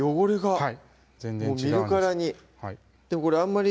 はい